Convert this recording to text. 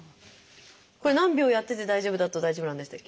これ何秒やってて大丈夫だと大丈夫なんでしたっけ？